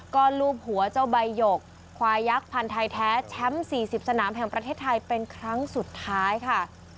ก็ลูบหัวเจ้าใบหยกควายยักษ์พันธ์ไทยแท้แชมป์๔๐สนามแห่งประเทศไทยเป็นครั้งสุดท้ายค่ะ